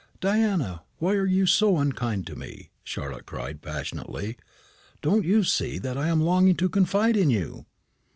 "Diana, why are you so unkind to me?" Charlotte cried, passionately. "Don't you see that I am longing to confide in you?